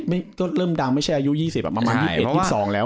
ไม่ก็เริ่มดำไม่ใช่อายุยี่สิบอะประมาณยี่เอ็ดยี่สองแล้ว